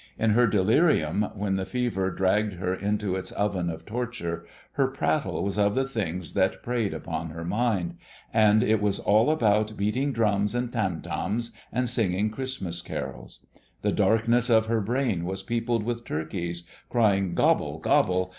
In her delirium, when the fever dragged her into its oven of torture, her prattle was of the things that preyed upon her mind; and it was all about beating drums and tam tams, and singing Christmas carols. The darkness of her brain was peopled with turkeys, crying, gobble! gobble!